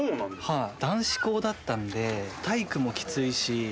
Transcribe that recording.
はい。